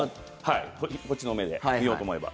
こっちの目で見ようと思えば。